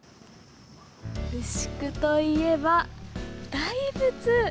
牛久といえば大仏！